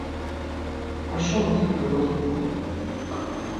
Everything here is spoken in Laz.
Aşo mutupe mo zop̌on!